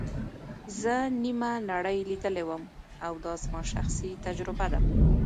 زه نیمه نړۍ لیدلې وم او دا زما شخصي تجربه ده.